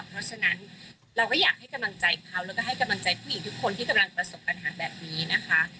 เพราะฉะนั้นเราก็อยากให้กำลังใจเขาแล้วก็ให้กำลังใจผู้หญิงทุกคนที่กำลังประสบปัญหาแบบนี้นะคะ